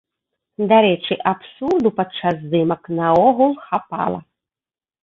Дарэчы, абсурду падчас здымак наогул хапала.